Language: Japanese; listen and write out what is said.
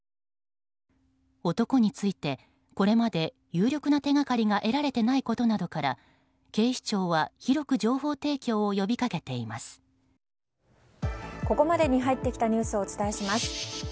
男についてこれまで有力な手掛かりが得られていないことから警視庁は広く情報提供をここまでに入ってきたニュースをお伝えします。